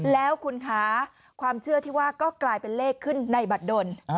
แล้วคุณคะความเชื่อที่ว่าก็กลายเป็นเลขขึ้นในบัตรดน